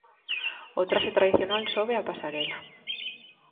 'O traxe tradicional sobe á pasarela'.